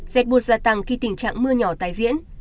dệt bột gia tăng khi tình trạng mưa nhỏ tái diễn